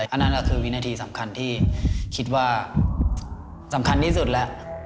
อันนั้นก็ก็คือวินาทีที่คิดว่าสำคัญที่สุดล่ะ